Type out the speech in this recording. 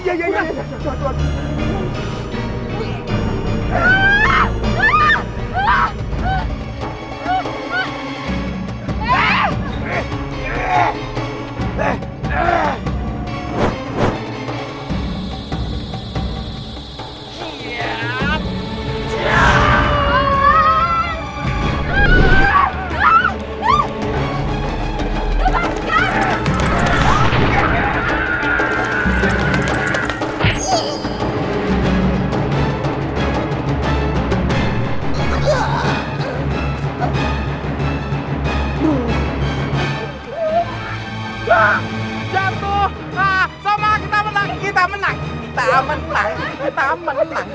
jemput sama kita menang kita menang kita menang kita menang kita menang kita menang